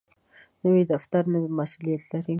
نوی دفتر نوی مسؤولیت لري